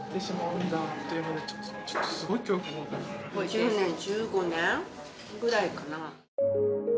１０年１５年ぐらいかな？